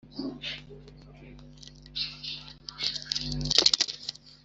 umwandiko ntekerezo akenshi uhera ku byo ubona